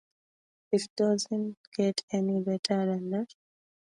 It doesn't get any better than that.